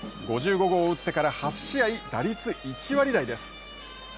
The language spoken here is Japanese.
５５号を打ってから８試合、打率１割台です。